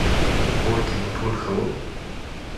کور کې مو ټول ښه وو؟